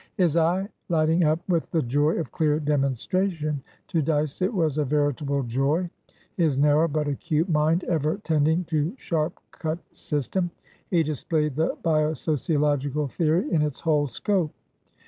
His eye lighting up with the joy of clear demonstrationto Dyce it was a veritable joy, his narrow, but acute, mind ever tending to sharp cut systemhe displayed the bio sociological theory in its whole scope.